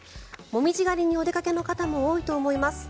モミジ狩りにお出かけの方も多いと思います。